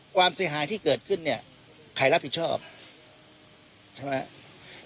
ความเสียหายที่เกิดขึ้นเนี่ยใครรับผิดชอบใช่ไหมครับ